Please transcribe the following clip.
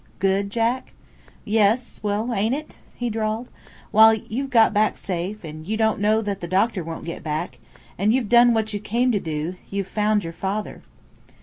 "Good, Jack?" "Yes. Well, ain't it?" he drawled. "Why, you've got back safe, and you don't know that the doctor won't get back, and you've done what you came to do you've found your father."